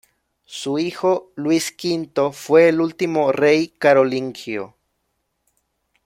Su hijo, Luis V, fue el último rey carolingio.